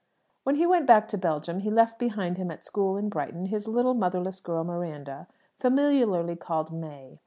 When he went back to Belgium, he left behind him at school in Brighton his little motherless girl Miranda, familiarly called May.